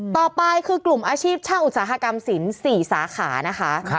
ต่อไปคือกลุ่มอาชีพช่างอุตสาหกรรมสิน๔สาขานะคะ